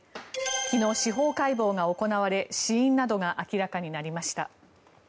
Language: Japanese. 昨日、司法解剖が行われ死因などが明らかになりました。